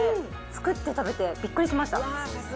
作って食べて、びっくりしました。